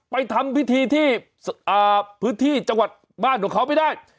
ไปทำพิธีที่พื้นที่จังหวัดบ้านของเขาไม่ได้